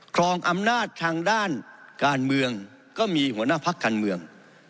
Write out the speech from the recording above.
ครองอำนาจทางด้านการเมืองก็มีหัวหน้าพักการเมือง